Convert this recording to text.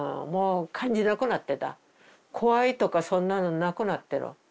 怖いとかそんなのなくなってる。